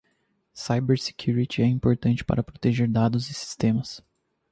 Cybersecurity é importante para proteger dados e sistemas.